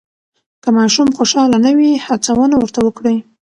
که ماشوم خوشحاله نه وي، هڅونه ورته وکړئ.